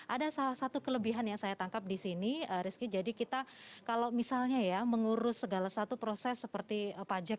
ada salah satu kelebihan yang saya tangkap di sini rizky jadi kita kalau misalnya ya mengurus segala satu proses seperti pajak